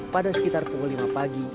pada sekitar pukul lima pagi